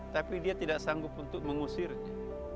tapi dia tidak sanggup untuk mengusirnya